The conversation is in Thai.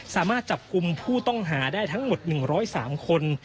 สามารถจับกลุ่มผู้ต้องหาได้ทั้งหมด๑๐๓คน